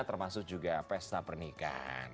termasuk juga pesta pernikahan